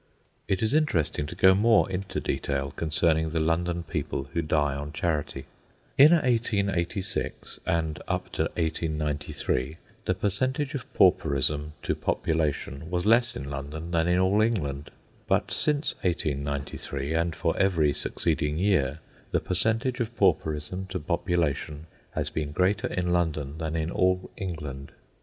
It is interesting to go more into detail concerning the London people who die on charity. In 1886, and up to 1893, the percentage of pauperism to population was less in London than in all England; but since 1893, and for every succeeding year, the percentage of pauperism to population has been greater in London than in all England.